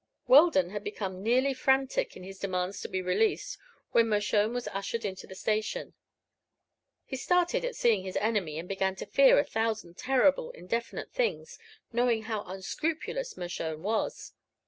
Weldon had become nearly frantic in his demands to be released when Mershone was ushered into the station. He started at seeing his enemy and began to fear a thousand terrible, indefinite things, knowing how unscrupulous Mershone was.